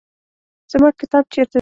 زما کتاب چیرته دی؟